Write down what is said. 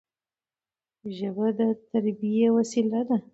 ژبه د تربيي وسیله ده.